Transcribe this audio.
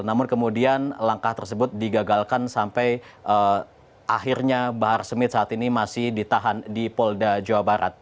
namun kemudian langkah tersebut digagalkan sampai akhirnya bahar smith saat ini masih ditahan di polda jawa barat